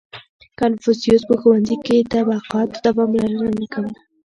• کنفوسیوس په ښوونځي کې طبقاتو ته پاملرنه نه کوله.